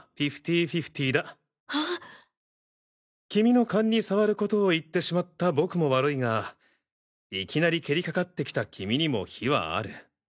君の癇に障る事を言ってしまった僕も悪いがいきなり蹴りかかってきた君にも非はある。